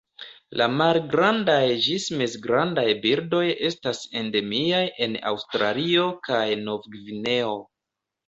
La malgrandaj ĝis mezgrandaj birdoj estas endemiaj en Aŭstralio kaj Nov-Gvineo.